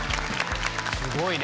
すごいね。